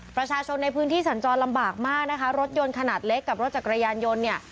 ประชาชนในพื้นที่สัญจรลำบากมากนะคะรถยนต์ขนาดเล็กกับรถจักรยานยนต์เนี่ย